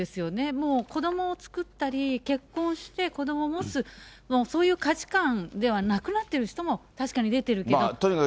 もう子どもを作ったり、結婚して子どもを持つ、そういう価値観ではなくなっている人も確かに出てるけれども。